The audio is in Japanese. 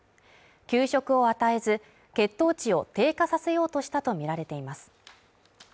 給食を与えず、血糖値を低下させようとしたとみられています。